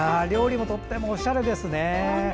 料理もとてもおしゃれですね。